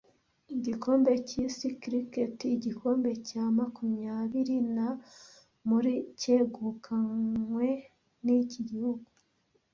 Igikombe cyisi Cricket igikombe cya makumyabiri na muri cyegukanwe niki gihugu